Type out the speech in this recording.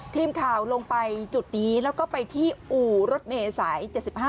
ทีมข่าวลงไปจุดนี้แล้วก็ไปที่อู่รถเมย์สาย๗๕